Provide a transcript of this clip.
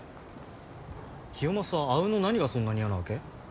清正は阿吽の何がそんなに嫌なわけ？